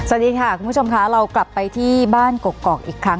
สวัสดีค่ะคุณผู้ชมค่ะเรากลับไปที่บ้านกกอกอีกครั้ง